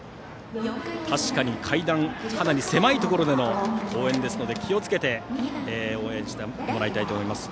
確かに、階段かなり狭いところでの応援ですので、気をつけて応援してもらいたいと思います。